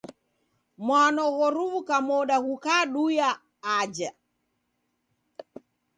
Mwano ghoruw'uka moda ghukaduya aja